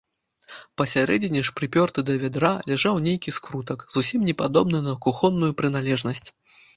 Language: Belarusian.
Пасярэдзіне ж, прыпёрты да вядра, ляжаў нейкі скрутак, зусім не падобны на кухонную прыналежнасць.